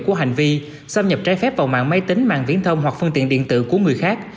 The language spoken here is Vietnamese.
của hành vi xâm nhập trái phép vào mạng máy tính mạng viễn thông hoặc phương tiện điện tử của người khác